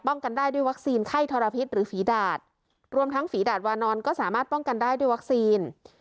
กันได้ด้วยวัคซีนไข้ทรพิษหรือฝีดาดรวมทั้งฝีดาดวานอนก็สามารถป้องกันได้ด้วยวัคซีน